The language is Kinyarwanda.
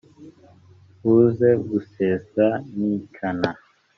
buze gusesa nicana".